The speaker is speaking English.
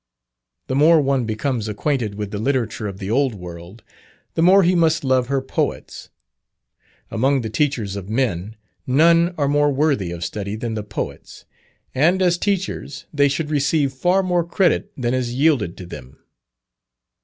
The more one becomes acquainted with the literature of the old world, the more he must love her poets. Among the teachers of men, none are more worthy of study than the poets; and, as teachers, they should receive far more credit than is yielded to them.